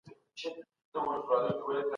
انځورګرانو خپل اثار نندارې ته وړاندي کول.